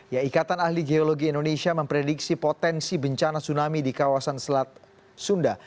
ya ikatan ahli geologi indonesia memprediksi potensi bencana tsunami di kawasan selat sunda